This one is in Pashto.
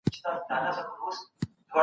نومونه د شیانو د پیژندلو وسیله ده.